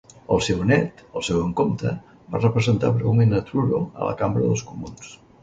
El seu nét, el segon comte, va representar breument a Truro a la Cambra dels Comuns.